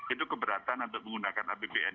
itu keberatan untuk menggunakan apbn